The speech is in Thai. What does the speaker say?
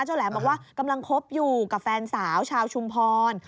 แหลมบอกว่ากำลังคบอยู่กับแฟนสาวชาวชุมพร